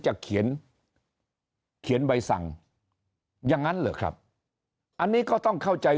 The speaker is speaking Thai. จะเขียนเขียนใบสั่งอย่างนั้นเหรอครับอันนี้ก็ต้องเข้าใจ